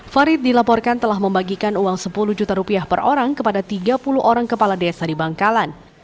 farid dilaporkan telah membagikan uang sepuluh juta rupiah per orang kepada tiga puluh orang kepala desa di bangkalan